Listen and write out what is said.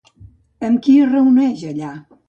Amb qui es reuneix allà?